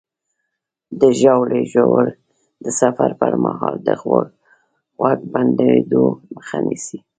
د ژاولې ژوول د سفر پر مهال د غوږ بندېدو مخه نیسي.